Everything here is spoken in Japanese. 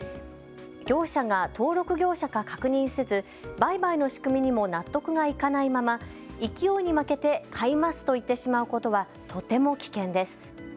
業者が登録業者か確認せず売買の仕組みにも納得がいかないまま勢いに負けて買いますと言ってしまうことはとても危険です。